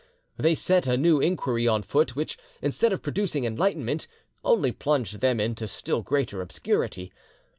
They set a new inquiry on foot, which, instead of producing enlightenment, only plunged them into still greater obscurity.